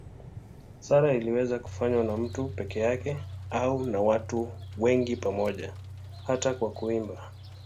Sala inaweza kufanywa na mtu peke yake au na wengi pamoja, hata kwa kuimba.